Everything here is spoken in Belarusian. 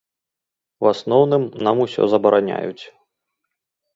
У асноўным нам усё забараняюць.